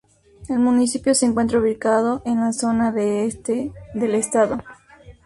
El municipio se encuentra ubicado en la zona de este del estado.